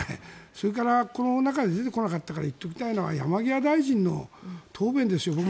それからこの中に出てこなかったから言っておきたいのは山際大臣の答弁ですよ。